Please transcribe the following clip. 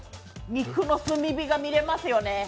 肉の炭火が見れますよね。